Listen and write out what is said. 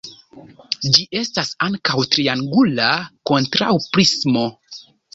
Ĝi estas ankaŭ triangula kontraŭprismo.